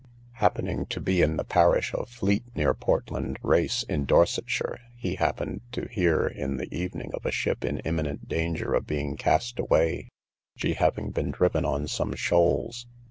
Happening to be in the parish of Fleet, near Portland Race, in Dorsetshire, he happened to hear in the evening of a ship in imminent danger of being cast away, she having been driven on some shoals.